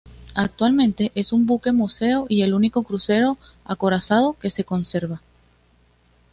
Actualmente es un buque museo y el único crucero acorazado que se conserva.